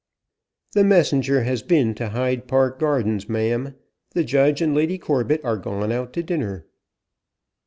"The messenger has been to Hyde Park Gardens, ma'am. The Judge and Lady Corbet are gone out to dinner."